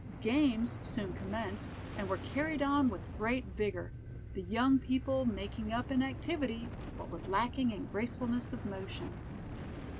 Games soon commenced, and were carried on with great vigor, the young people making up in activity what was lacking in gracefulness of motion.